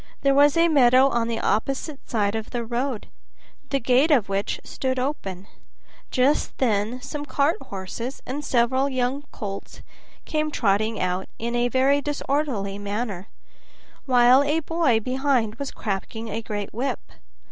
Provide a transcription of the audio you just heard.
There was a meadow on the opposite side of the road, the gate of which stood open; just then some cart horses and several young colts came trotting out in a very disorderly manner, while a boy behind was cracking a great whip.